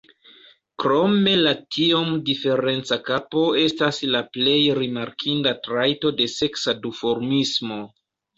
Krome la tiom diferenca kapo estas la plej rimarkinda trajto de seksa duformismo.